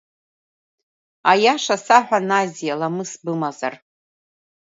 Аиаша саҳәа Назиа, ламыс бымазар.